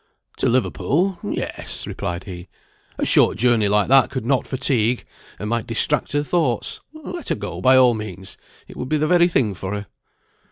"To Liverpool yes," replied he. "A short journey like that could not fatigue, and might distract her thoughts. Let her go by all means, it would be the very thing for her."